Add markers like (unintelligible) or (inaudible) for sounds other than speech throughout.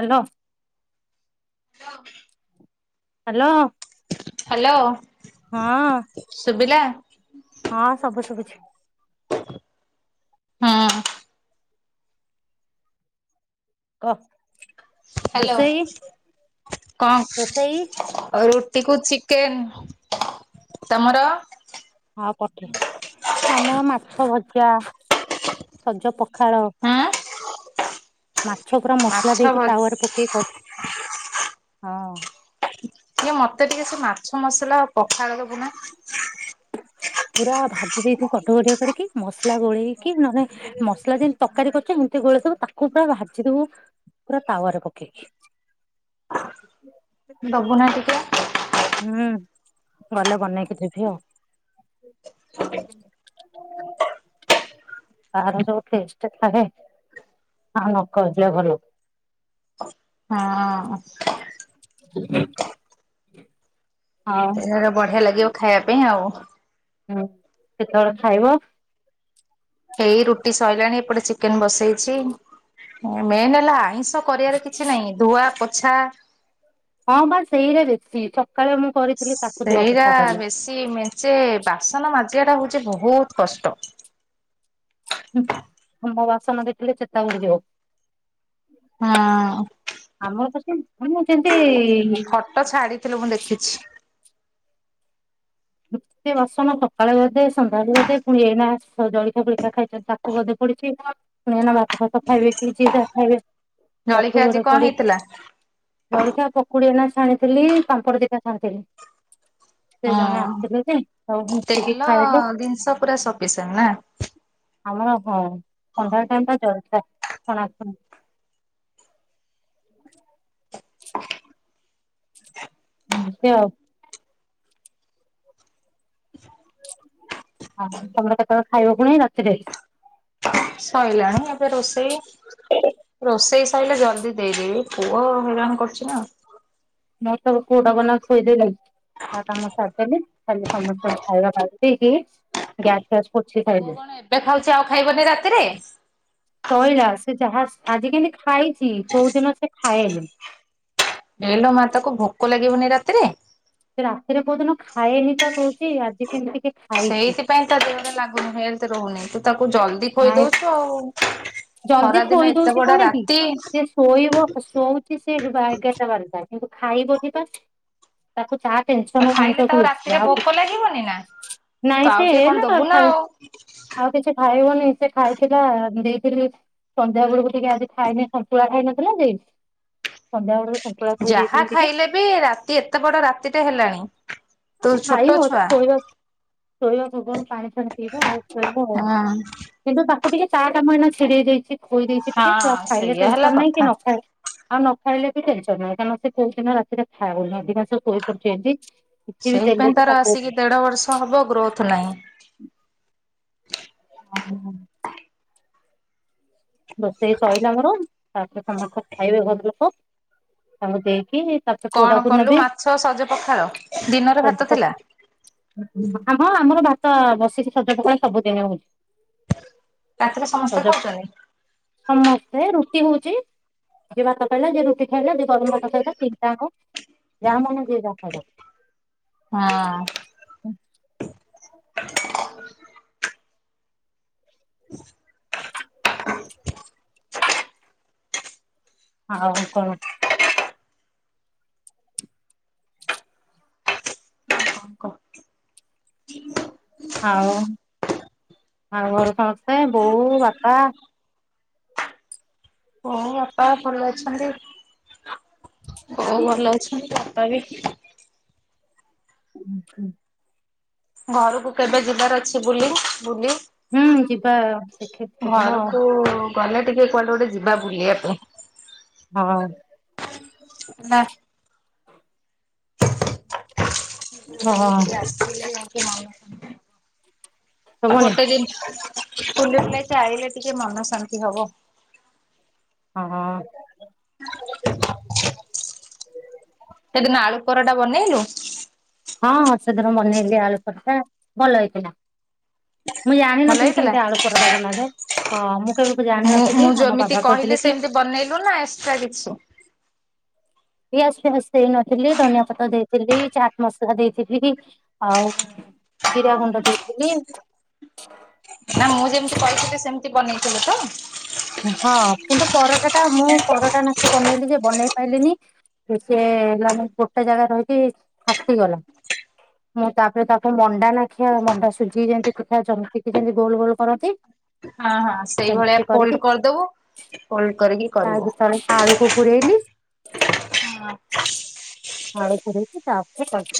Hello. Hello. Hello. Hello. ହଁ ହଁ ସବୁ ସଭୁଛି। ହଁ। କହ। ହ୍ୟାଲୋ ରୋଷେଇ ରୋଷେଇ କଣ ଅ ରୁ। କୁ ଚିକେନ ତମର। ହଁ ପଠେଇ ଆମର ମାଛ ଭଜା ସଜ ପ। ପଖାଳ ହଁ ମାଛ ପୁରା ମସଲା ମାଛ ଦେଇକି ଭଜ ତାୱରେ ପକେଇକି ହଁ। ଟିକେ ମତେ ଟିକେ ସ ମାଛ। ମସଲା ଆଉ ପଖାଳ ଦବୁ ନା। ପୁରା ଭାଜି ଦେଇଥିବୁ କଟକଟିଆ କରିକି ମସଲା ଗୋଳେଇକି ନହେ ମସଲା ଯେମିତି ତରକାରୀ କରୁଛ ଏମିତି ଗୋଳେଇଦବୁ ତାକୁ ପୁରା ଭାଜି ଦବୁ ପୁରା ତାୱାରେ ପକେଇକି। ଦବୁ ନାହିଁ ଟିକେ। ହୁଁ ଗଲେ ବନେଇକି ଦେବି ଆଉ ତାର ଯୋଉ ଟେଷ୍ଟ ଥାଏ ଆଉ ନ କହିବା ଭଲ। ହଁ। (unintelligible) ଆଉ ସେ ବଢିଆ ଲାଗିବ। ଖାଇବା ପାଇଁ ଆଉ। ହୁଁ କେତେବେଳେ ଖାଇବ। ଏଇ ରୁଟି ସଇଲାଣି ଏପଟେ ଚିକେନ ବସେଇଛି ମେନ୍ ହେଲା ଆଇଁ କରିବାର କିଛି ନାହିଁ ଧୁଆ ଆଚ୍ଛା। ହଁ ବା ସେଇଗୁରା ବେଶୀ। (unintelligible) କରିଥିଲି ତାକୁ ଧୁଆ ସେଇଟା ପୋଛା କଲି। ବେଶୀ ମେଞ୍ଚେ ବାସନ ମା ମାଜିବା ଟା ହଉଛି ବହୁତ କଷ୍ଟ। ଆମ ବାସନ ଦେଖିଲେ ଚେତାବୁଡି ଯିବ। ହଁ ଆମର ତ (unintelligible) ଯେମିତି। ଫଟୋ ଛାଡିଥିଲୁ ମୁଁ ଦେଖିଛି ବାସନ ସକାଳେ ଗୋଟେ ସନ୍ଧ୍ୟାବେଳେ ଗୋଟେ ପୁଣି ଏଇନା ଜଳିକା ଫଳିକା ଖାଇଚନ୍ତି ତାକୁ ବଧେ ପଡିଛି ପୁଣି ଏନା। (unintelligible) ଭାତ ଖାଇବେ କିଛି ଖାଇବେ ତାକୁ ଜଳିଖିଆ ଆଜି ଗୋଡେ କଣ ପଡିବ ହେଇଥିଲା? ଜଳଖିଆ ପକୁଡି ଏନା ଛାଣିଥିଲି ପାମ୍ପଡ଼ ଦିଟା ଛାଣିଥିଲି। ହଁ। କି ସବୁ ମିଶିକି ତେଲ ଖାଇଲୁ ଜିନିଷ ପୁରା ସଫିସିଏଣ୍ଟ ନା ଆମର ହଁ ପନ୍ଦର ଟା ଜା (unintelligible) ଏମିତି ଆଉ। ହଁ ତମର କେତେବେଳେ ଖାଇବା ପୁଣି ରାତିରେ? ସରିଲାଣି ଏବେ ରୋଷେଇ ରୋଷେଇ ସରିଲେ ଜଲଦି ଦେଇଦେବି ପୁଅ ହଇରାନ କରୁଚି ନା। ମୁଁ ତ ପୁଅ ଟା କୁ ଏନା ଖୋଇଦେଲି ତା କାମ ସାରିଦେଲି ତ ଖାଲି ସମସ୍ତଙ୍କୁ ଖାଇବା ଦେଇ ଦେଇକି ଗ୍ୟାସ ଫ୍ୟାସ ପୋଛି ପୁଅ ସାଇଲି। କଣ ଏବେ ଖାଉଚି ଆଉ ଖାଇବନି ରାତିରେ? ଶଇଲା ସେ ଯାହା ଆଜି କେନ୍ତି ଖାଇଚି କୋଉଦିନ ସେ ଖାଏନି। ବନି ରାତିରେ? ସେ ରାତିରେ କୋଉ ଦିନ ଖାଏନି ପା କହୁ ସେଇଥିପାଇଁ ତା ଦେହରେ ଲାଗୁନି ହେଲଥ ରହୁନି ତୁ ତା ତାକୁ ଜଲଦି କହିଦଉଚୁ ଆଉ। ଜଲଦି ଖରା ଦିନ ଖୋଇ ଏତେ ଦଉଛି ବଡ କଣ କି ରାତି ସେ ଶୋଇବ ଶୋଉଛି ସେ ବା ଏଗାରଟା ବାରଟା- ଖାଇବ ନି ପା ତାକୁ ଚା- ସନ ଖାଇଲେ ତ ମଣିଷକୁ ଆଉ ରାତିରେ ଆଉ ଭୋକ ଲାଗିବନି ନା। ତ ନାଇଁ ଆଉ ସେ ଟିକେ କଣ ଦବୁ ନା ଖାଇ ଆଉ ଆଉ କିଛି ଖାଇବନି ସେ ଖାଇଥିଲା ସେ - ସନ୍ଧ୍ୟା ବେଳକୁ ଟିକେ ଆଜି ଖାଇନି ସନ୍ତୁଳା ଖାଇନଥିଲା ଯେ ସନ୍ଧ୍ୟା ବେଳକୁ- ସନ୍ତୁଳା ଖୋଇ ଯାହା ଦେଇଥିଲି ଟିକେ ଖାଇଲେ ବି ରାତି ଏତେ ବଡ ରାତିଟା ହେଲାଣି। ତୁ ଛୋଟ ଖାଇବ ଛୁଆ ଶୋଇବା। ଶୋଇବା ପୂର୍ବରୁ ପାଣି ଫାଣି ପିଇବା ଆଉ ଶୋଇବା ଆଉ ହଁ କିନ୍ତୁ- ତାକୁ ଟିକେ ତା କାମ ଇନା ଛିଡେଇ ଦେଇଛି। ଖୋଇ ଦେଇଛି ଟିକେ। ହଁ ଆ ଖାଇଲେ ସେଇଆ ହେଲା ଟେନସନ ନାଇଁ କଥା। କି ନ ଖାଇଲେ - ଆଉ ନ ଖାଇଲେ ବି ଟେନସନ ନାହିଁ କାରଣ ସେ କୋଉ ଦିନ ରାତିରେ ଖାଉନି ଅଧିକାଂଶ ଶୋଇପଡୁଛି ବେଶି। ସେଇଥି ପାଇଁ ତାର ଆସିକି ଦେଢ ବର୍ଷ ହବ ଗ୍ରୋଥ ନାହିଁ। ହଁ ହଁ। ରୋଷେଇ ସହିଲା ମୋର ତାପରେ ସମସ୍ତେ ଖାଇବେ ଘର ଲୋକ। ତାଙ୍କୁ ଦେଇକି- ତାପରେ କଣ ପୋଡାକୁ କଲୁ ନେବି। ମାଛ ସଜ ପଖାଳ ଦିନରେ ଭାତ ଥିଲା। ଆମ ହଁ ଆମର ଭାତ ବସି- ସଜ ପଖାଳ ସବୁ ଦିନେ ହଉଛି। ରାତିରେ ସମସ୍ତେ ସଜ ଖାଉଚନ୍ତି? ସମସ୍ତେ ରୁଟି ହଉଚି ଯିଏ ଭାତ ଖାଇଲା ଯିଏ ରୁଟି ଖାଇଲା ଯିଏ ଗରମ ଭାତ ଖାଇଲା ତିନିଟାଙ୍କ ଖାଇଲା ଯାହା ମନ ଯିଏ ଯାହା ଖାଇଲା। ହଁ (inaudible) (unintelligible) ହଉ କଣ? ହଁ କ? ଆଉ ଆଉ ଘର ସମସ୍ତେ ବୋଉ ବାପା ବୋଉ ବାପା ଭଲ ଅଛନ୍ତି ବଉ ଭଲ ଅଛନ୍ତି ବାପା ବି ହଁ ହ। ଘରକୁ କେବେ ଯିବାର ଅଛି ବୁଲି ବୁଲି ହୁଁ ଯିବି ହ। ଘରକୁ କହିଲେ ଟିକେ କୁଆଡ଼େ ଗୋଟେ ଯିବା ବୁଲିବା ପାଇଁ। ହଁ। (unintelligible) (inaudible) ହଁ ଶୁଭୁନି (unintelligible) ଫୁଲ ଚାହିଲେ ଟିକେ ମନ ଶାନ୍ତି ହବ। ହ ହଁ। ସେଦିନ ଆଳୁ ପରଟା ବନେଇଲୁ ହଁ ହ ସେଦିନ ବନେଇଲିି ଆଳୁପରଟା ଭଲ ହେଇଥିଲା ମୁଁ ଭଲ ଜାଣିନଥିଲି ହେଇଥିଲା? କେମିତି ଆଳୁ ପରଟା ବନାରେ ହ ମୁଁ କେବେକୁ ମୁଁ ଜାଣିନଥିଲି ମୁଁ ଆମ ଯେମିତି ବାବା କହିଲି କହିଥିଲେ କି? ସେମିତି ବନେଇଲୁ ନା ଏକ୍ସଟ୍ରା କିଛି? ଏ ଆସ୍ତେ ଆସ୍ତେ ହେ ନଥିଲି ଧନିଆ ପତ ଦେଇଥିଲି ଚାଟ ମସଲା ଦେଇଥିଲି ଆଉ ଜିରା ଗୁଣ୍ଡ ଦେଇଥିଲି। ନା ମୁଁ ଯେମିତି କହିଥିଲି ସେମିତି ବନେଇଥିଲେ ତ। ହଁ କିନ୍ତୁ ପରଟା ଟା ମୁଁ ପରଟା ନାଖେ ବନେଇଲି ଯେ ବନେଇ ପାଇଲିନି ସି ହେଲା ଗୋଟେ ଜାଗା ରହିକି ଫାଟିଗଲା ମୁଁ ତାପରେ ତାକୁ ମଣ୍ଡା ନାଖଆ ମଣ୍ଡା ସୁଝିକି ଯେମତି ପିଠା ଜମିତିି ଯେମତି ଗୋଲ ଗୋଲ କରନ୍ତି। ହଁ ହଁ ସେଇଭଳିଆ ସେମିତି କରିକି କରିଦବୁ ଫୋଲ୍ଡ କରିକି ତା କରିବୁ ଭିତରେ ଆଳୁକୁ ପୁରେଇଲି ହଁ। ପାଣି ପୁରେଇକି ତା ଚାପଛ।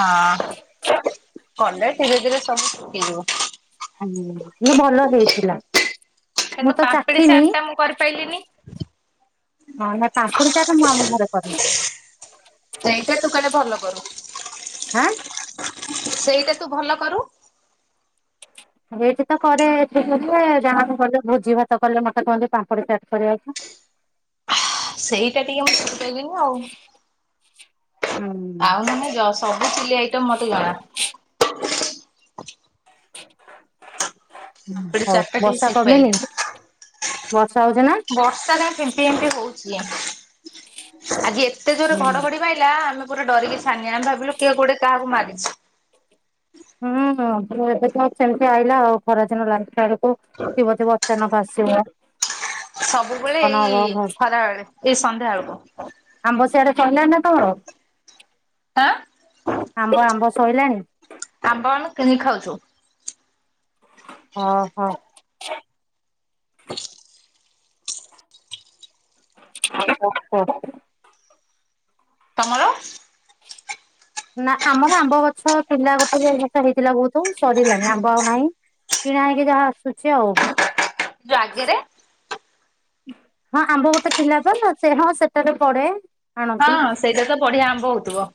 ହଁ କଲେ ଧୀରେ ଧୀରେ ସବୁ ସିଖିଯିବୁ। ଆ କିନ୍ତୁ ଭଲ ହେଇଥିଲା। ମୁଁ କିନ୍ତୁ ତ ପାମ୍ପିଡି ଚାଖିନି ଚାଟ୍ ଟା ମୁଁ କରିପାଇଲିିନି ହଁ ନା ପାମ୍ପୁଡି ଚାଟ ମୁଁ ଆମ ଘରେ କରେ ସେଇଟା ତୁ କ ଭଲ କଲୁ। ହାଁ? ସେଇଟା ତୁ ଭଲ କରୁ। ଏଇଠି ତ କରେ (unintelligible) ଯାହାବି କଲେ ଭୋଜି ଭାତ କଲେ ମତେ କହନ୍ତି ପାମ୍ପିଡ଼ି ଚାଟ୍ କରିବାକୁ। ସେଇଟା ଟିକେ ମୁଁ ଶିଖିପାରିଲିନି ଆଉ। ଆଉ ହୁଁ ନୁହେ ଯୋ ସବୁ ସିଲେଇ ଆଇଟମ୍ ମତେ ଜଣା। ଆ ପାମ୍ପଡ଼ି ହଉ ଚାଟ୍ ଟି ବର୍ଷା ସିଖ୍ କମିନି ବର୍ଷା ହଉଛି ନା? ପାଇଲିନି ବର୍ଷା ଯା ଫିମ୍ପି ଫିମ୍ପି ହଉଚି। ଆଜି ଏ ଏତେ ଜୋର୍ ରେ ଘଡ଼ଘଡ଼ି ମାଇଲା ଆମେ ପୁରା ଡରିକି ଛାନିଆ ଆମେ ଭାବିଲୁ କିଏ କୁଡ଼େ କାହାକୁ ମାରିଚି। ହୁଁ ହୁଁ ଏବେ ତ ସେମିତି ଆଇଲା ଆଉ ଖରାଦିନ ଲାଗି ଓ ଥିବ ଥିବ ଅଚାନକ ଆସିବ। ସବୁବେଳେ ପବନ ଏଇ ହବ ଖରାବେେଳେ ଏଇ ସନ୍ଧ୍ୟା ବେଳକୁ ଆମ୍ବ ସିଆଡେ ସଇଲାଣି ନା ତମର? ଆଁ ଆମ୍ବ ଆମ୍ବ ସଇଲାଣି ଆମ୍ବ ଆଣୁ କିଣିକି ଖାଉଚୁ। ଅ ହ। (unintelligible) ତମର? ନା ଆମର ଆମ୍ବ ଗଛ ଥିଲା ଗୋଟେ ଗଛ ହେଇଥିଲା ବହୁତ ସରିଲାଣି ଆମ୍ବ ଆଉ ନାହିଁ କିଣା ହେଇକି ଯାହା ଆସୁଛି ଆଉ। ରାଗେରେ। ହଁ ଆମ୍ବ ଗୋଟେ ଥିଲା ପା ସେ ହଁ ସେଟାରେ ପଡ଼େ। ହଁ ସେଇଟା ତ ବଢିଆ ଆମ୍ବ ହଉଥିବ।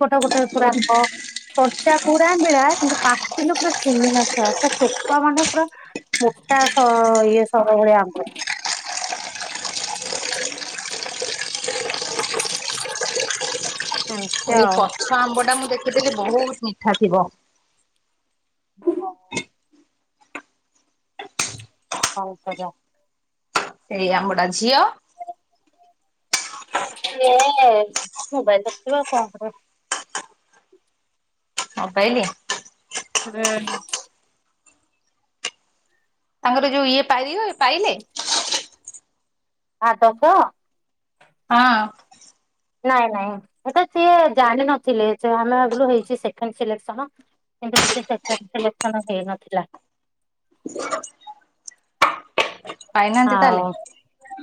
ଫଟା ଗୋଟା ଗୁରାକ ଫଟା କଚା ପୁରା ମିଳା କିନ୍ତୁ ପାଟିରୁୁ ପୁରା ଚିହ୍ନା ନଖିଆ ପୁରା ଚୋପା ମାନେ ପୁରା ମୋଟା ଇଏ। ସବୁବେଳେ ଆମେ ଏମିତି ଏଇ ଆଉ ପଛ ଆମ୍ବ ଟା ମୁଁ ଦେଖିଥିଲି ବହୁତ ଫାଟିବ। ଓ। ଆଳୁ ଭଜା। ଇଏ ଆମଟା ଝିଅ। ଏସେ ମୋବାଇଲ ଦେଖୁଥିବ ଆଉ କଣ କରିବ? ମୋବାଇଲି। ହୁଁ। ତାଙ୍କର ଯୋଉ ଇଏ ପାଇ ହୁଏ ପାଇଲେ? (unintelligible) ହଁ। ନାଇଁ ନାଇଁ ଏଟା ସିଏ ଜାଣିିନଥିଲେ ସେ ଆମେ ଭାବିଲୁ ହେଇଛି ସେକେଣ୍ଡ ସିଲେସ୍କନ କିନ୍ତୁ ସେକେଣ୍ଡ ସିଲେକସନ ହେଇନଥିଲା। ପାଇନାହାନ୍ତି ତାହେଲେ। ଆଉ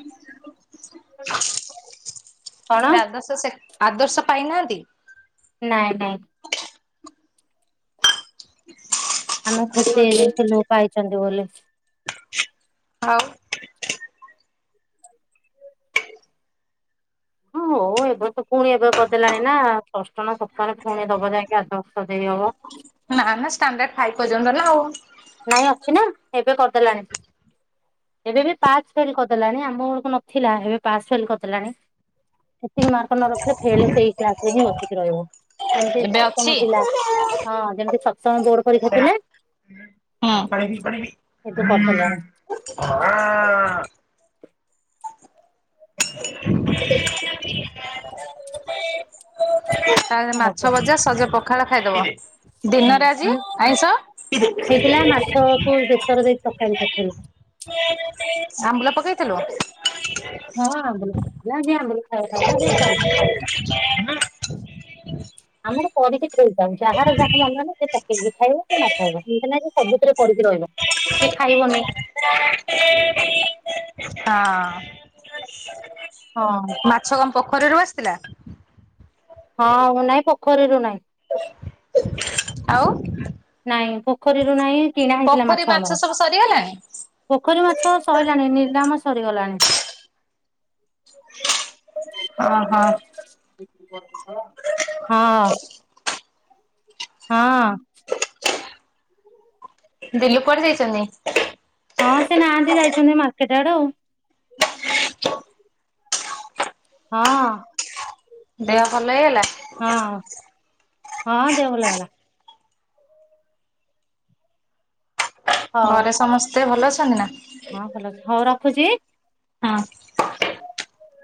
(inaudible) (unintelligible) ଆଦର୍ଶ ପାଇନାହାନ୍ତି? ନାଇଁ ନାଇଁ। ଆମେ ଖୁସି ହେଇଯାଇଥିଲୁ ପାଇଚନ୍ତି ବୋଲି। ଆଉ। ହଁ ହୋଉ ଏବେ ତ ଫୁଣି ଏବେ କରିଦେଲାଣି ନା ଷଷ୍ଠ ନା ସପ୍ତମରେ ଫୁଣି ଦବ ଯାଇକି ଆଦର୍ଶ ଦେଇ ହବ। ନାଁ ନାଁ ଷ୍ଟାଣ୍ଡାର୍ଡ ଖାଇ ପର୍ଯ୍ୟନ୍ତ ନା ଆଉ। ନାଇଁ ଅଛି ନା ଏବେ କରିଦେଲାଣି ଏବେ ବି ପାସ୍ ଫେଲ୍ କରିଦେଲାଣି ଆମ ବେଳକୁ ନଥିଲା ଏବେ ପାସ୍ ଫେଲ୍ କରିଦେଲାଣି। ଏତିକି ମାର୍କ ନ ରଖିଲ ଫେଲ୍ ସେଇ କ୍ଲାସ୍ ରେ ହିଁ ବସିକି ରହିବ। ଯେମିତି ଏବେ ଅଛି? ସପ୍ତମ ଥିଲା ହଁ ଯେମିତି ସପ୍ତମ ବୋର୍ଡ ପରୀକ୍ଷା ଥିଲା। ଏବେ କରିଦେଲାଣି। (unintelligible) (inaudible) (inaudible) ତାଲେ ଆଉ ମାଛ କଣ ଭଜା ସଜ ପଖାଳ। ଖାଇଦବ। ଦିନରେ ଆଜି ହୁଁ ଆଇଁଷ (inaudible) ହେଇଥିଲା ମାଛକୁ ବେସର ଦେଇକି ତରକାରୀ କରିଥିଲି। ଆମ୍ବୁଲ ପକେଇ ଥିଲୁ ହଁ ଆମ୍ବୁଲ ପଡିଥିଲା ଆଜି ଆମ୍ବୁ (unintelligible) ମୁଁ କରିଦେ। ଟେନସନ୍ ଯାହାର ଯାହା ମନ ହେଲା ସେ ପକେଇ ଦେଇ ଖାଇବ କି ନ ଖାଇବ ଏମତି ନାଇ ସବୁଥିରେ ପଡିକି ରହିବ କିଏ ଖାଇବନି। ହଁ। ହଁ ମାଛ କଅ ପୋଖରୀରୁ ଆସିଥିଲା। ହଁ ନାଇ ପୋଖରୀରୁ ନାଇ। ଆଉ। କରିଲୁ ନାଇ କିଣା ହେଇଥିଲା ପୋଖରୀ ମାଛ ଆମର ସବୁ ସରିଗଲାଣି? (inaudible) ପୋଖରୀ ମାଛ ସଇଲାଣି ନିଲାମ ସରିଗଲାଣି। ହଁ ହଁ। (unintelligible) ହଁ। ହଁ। ଦିଲ୍ଲୁ କୁଆଡେ ଯାଇଚନ୍ତି? ହଁ ସେ ନାହାନ୍ତି ଯାଇଛନ୍ତି ମାର୍କେଟ ଆଡେ ଆଉ। ହଁ। ଦେହ ଭଲ ହେଇଗଲା। ହଁ। ହଁ ଦେହ ଭଲ ହେଇଗଲା। ହଉ ଘରେ ସମସ୍ତେ ଭଲ ଅଛନ୍ତି ନା। ହଁ ଭଲ ଅଛନ୍ତି ହଉ ଖୁଚି। ହଁ। (unintelligible)